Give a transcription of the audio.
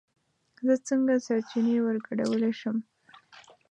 زه څنگه سرچينې ورگډولی شم